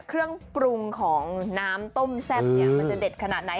เครื่องปรุงของน้ำต้มแซ่บเนี่ยมันจะเด็ดขนาดไหน